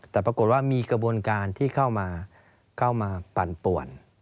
แต่ปรากฏว่ามีกระบวนการที่เข้ามาปั่นป่วน